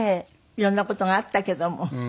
色んな事があったけどもねえ。